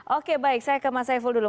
oke baik saya ke mas saiful dulu